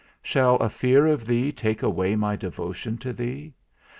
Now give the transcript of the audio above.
Shall a fear of thee take away my devotion to thee?